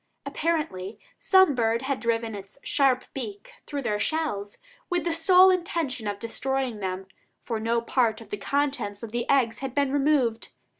Apparently some bird had driven its sharp beak through their shells, with the sole intention of destroying them, for no part of the contents of the eggs had been removed.